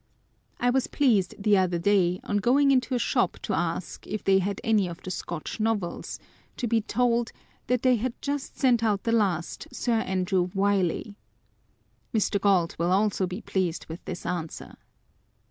I was pleased the other day on going into a shop to ask, " If they had any of the Scotch Nocels ?" to be told â€" " That they had just sent out the last, Sir Andrew Wylie /" â€" Mr. Gait will also be pleased with this answer